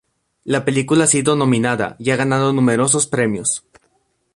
La película ha sido nominada y ha ganado numerosos premios.